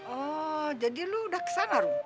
oh jadi lu udah ke sana ruh